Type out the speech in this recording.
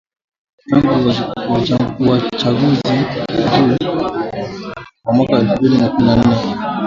tangu uachaguzi mkuu wa mwaka elfu mbili na kumi na nane